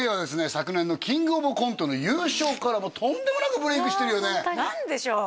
昨年のキングオブコントの優勝からとんでもなくブレイクしてるよね何でしょう？